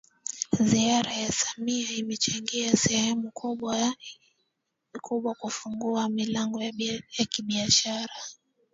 Ziara ya Samia imechangia sehemu kubwa kufungua milango ya kibiashara